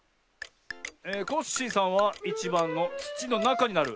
コッシーさんは１ばんのつちのなかになる。